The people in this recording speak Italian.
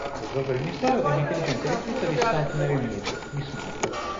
A risolvere il mistero è un'intelligente vecchietta di St. Mary Mead, Miss Marple.